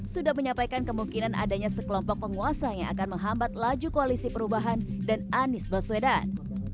sudah menyampaikan kemungkinan adanya sekelompok penguasa yang akan menghambat laju koalisi perubahan dan anies baswedan